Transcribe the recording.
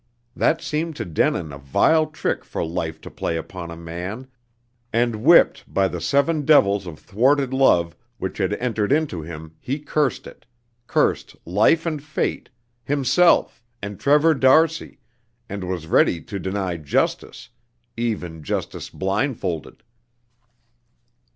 That seemed to Denin a vile trick for life to play upon a man, and whipped by the seven devils of thwarted love which had entered into him he cursed it; cursed life and fate, himself and Trevor d'Arcy, and was ready to deny Justice, even Justice blindfolded.